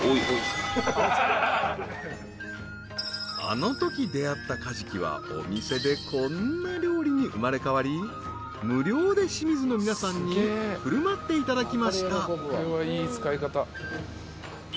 ［あのとき出合ったカジキはお店でこんな料理に生まれ変わり無料で清水の皆さんに振る舞っていただきました］